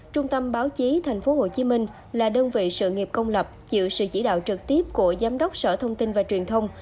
trung tâm báo chí tp hcm là đơn vị sự nghiệp công lập chịu sự chỉ đạo trực tiếp của giám đốc sở thông tin và truyền thông